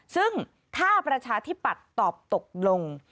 ซึ่งถ้าประชาธิปัตย์ตอบตกลง